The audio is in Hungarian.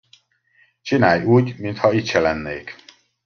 Csinálj úgy, mintha itt se lennék!